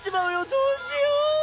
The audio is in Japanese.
どうしよう。